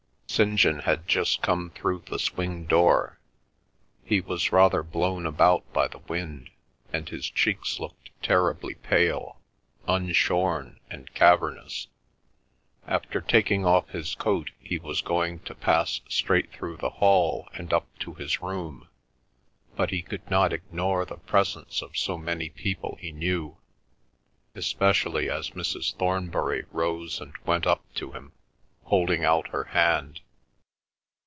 St. John had just come through the swing door. He was rather blown about by the wind, and his cheeks looked terribly pale, unshorn, and cavernous. After taking off his coat he was going to pass straight through the hall and up to his room, but he could not ignore the presence of so many people he knew, especially as Mrs. Thornbury rose and went up to him, holding out her hand.